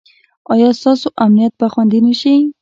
ایا ستاسو امنیت به خوندي نه شي؟